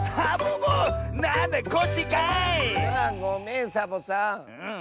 あごめんサボさん。